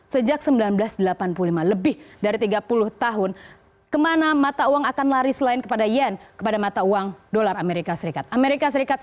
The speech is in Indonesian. sejak seribu sembilan ratus delapan puluh lima lebih dari tiga puluh tahun kemana mata uang akan lari selain kepada yen kepada mata uang dolar amerika serikat amerika serikat